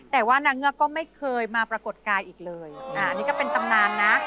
แต่ว่านางเงือกก็ไม่เคยมาปรากฏกายอีกเลยนี่ก็เป็นตำนานนะ